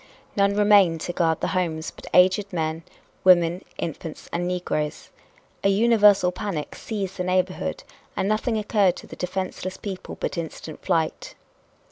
None remained to guard the homes but aged men, women, infants and negroes. A universal panic seized the neighborhood and nothing occurred to the defenseless people but instant flight.